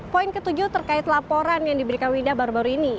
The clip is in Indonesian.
poin ketujuh terkait laporan yang diberikan winda baru baru ini